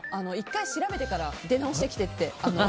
１回調べてから出直してきてって。